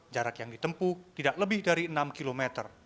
jarak yang ditempuh tidak lebih dari enam km